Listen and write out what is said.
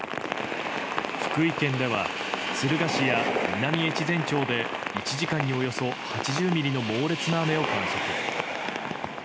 福井県では敦賀市や南越前町で１時間におよそ８０ミリの猛烈な雨を観測。